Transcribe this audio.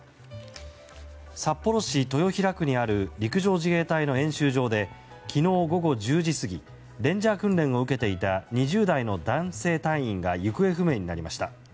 札幌市豊平区にある陸上自衛隊の演習場で昨日午後１０時過ぎレンジャー訓練を受けていた２０代の男性隊員が行方不明になりました。